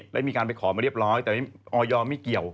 ได้มีการไปขอมาเรียบร้อยแต่ออยไม่เกี่ยว